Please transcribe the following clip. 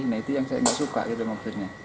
nah itu yang saya nggak suka gitu maksudnya